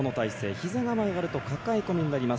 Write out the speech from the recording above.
ひざが曲がると抱え込みになります。